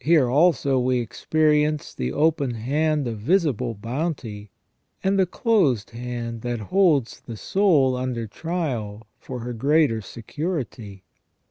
Here also we experience the open hand of visible bounty, and the closed hand that holds the soul under trial for her greater security.